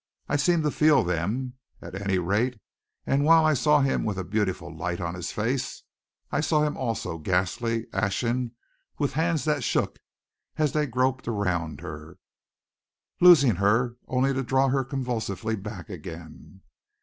I seemed to feel them, at any rate, and while I saw him with a beautiful light on his face, I saw him also ghastly, ashen, with hands that shook as they groped around her, loosing her, only to draw her convulsively back again.